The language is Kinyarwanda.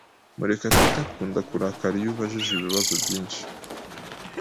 Murekatete akunda kurakara iyo ubajije ibibazo byinshi.